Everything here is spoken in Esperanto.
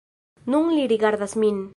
Nun li rigardas min!